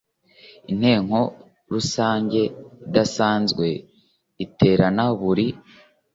intenko rusange idasanzwe iterana buri